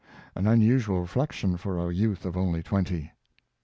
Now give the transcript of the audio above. ^'' an unusual reflection for a youth of only twenty.